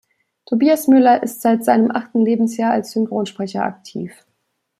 Tobias Müller ist seit seinem achten Lebensjahr als Synchronsprecher aktiv.